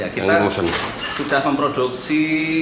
kita sudah memproduksi